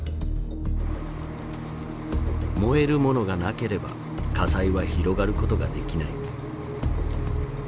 燃えるものがなければ火災は広がることができない。